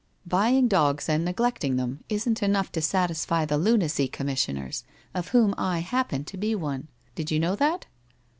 Buying dogs and neglecting them isn't enough to satisfy the Lunacy Com missioners, of whom I happen to be one. Did you know that?'